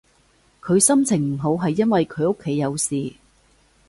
佢心情唔好係因為佢屋企有事